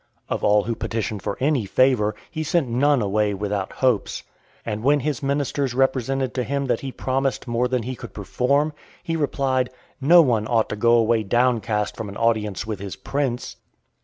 Of all who petitioned for any favour, he sent none away without hopes. And when his ministers represented to him that he promised more than he could perform, he replied, "No one ought to go away downcast from an audience with his prince."